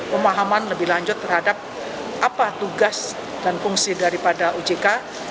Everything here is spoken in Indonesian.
pemahaman lebih lanjut terhadap apa tugas dan fungsi daripada ojk